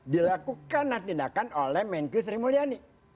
dilakukan latinakan oleh menky sri mulyani